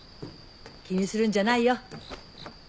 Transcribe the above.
気にするんじゃないよ。